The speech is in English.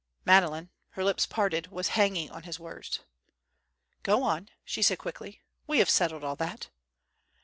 Madeleine, her lips parted, was hanging on his words. "Go on," she said quickly, "we have settled all that."